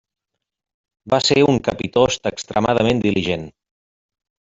Va ser un capitost extremadament diligent.